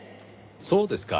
そうですか。